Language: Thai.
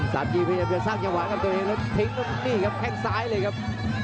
สามีพยายามจะสร้างจังหวะกับตัวเองแล้วทิ้งตรงนี้ครับแข้งซ้ายเลยครับ